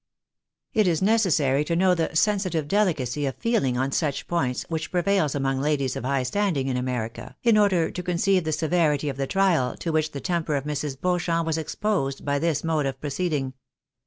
It is necessary to know the sensitive delicacy of feeling on such points which prevails among ladies of high standing in America, in order to conceive the severity of the trial to which the temper of 118 THE BARXABYS IN AMERICA. Mrs. Beauchamp was exposed by this mode of proceeding.